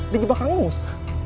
di jebak kang mus